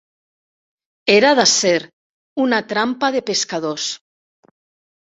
Era d'acer, una trampa de pescadors.